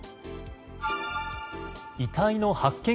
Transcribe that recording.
遺体の発見